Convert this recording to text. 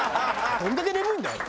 「どんだけ眠いんだお前」。